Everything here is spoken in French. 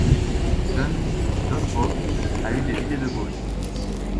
Jeune, Jon Voight a eu des idées de gauche.